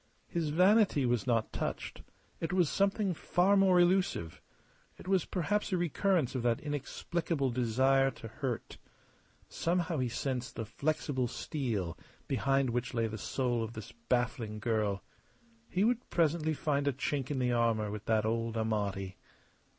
His vanity was not touched; it was something far more elusive. It was perhaps a recurrence of that inexplicable desire to hurt. Somehow he sensed the flexible steel behind which lay the soul of this baffling girl. He would presently find a chink in the armour with that old Amati.